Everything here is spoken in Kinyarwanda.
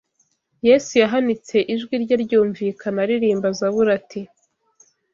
Yesu yahanitse ijwi rye ryumvikana aririmba Zaburi ati